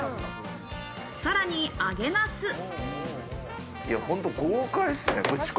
さらに揚げなす。